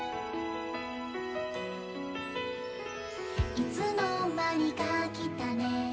「いつの間にか来たね」